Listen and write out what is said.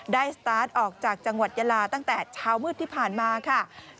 สตาร์ทออกจากจังหวัดยาลาตั้งแต่เช้ามืดที่ผ่านมาค่ะ